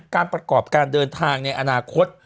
การประกอบการเดินทางในอนาคต